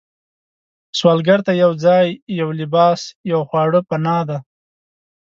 سوالګر ته یو ځای، یو لباس، یو خواړه پناه ده